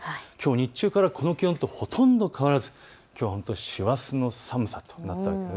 日中からこの気温とほとんど変わらずきょうは本当に師走の寒さとなったんです。